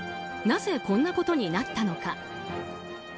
なぜこんなことになったのか。